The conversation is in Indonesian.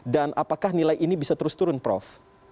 dan apakah nilai ini bisa terus turun prof